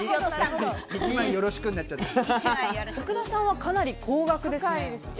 福田さんはかなり高額ですね。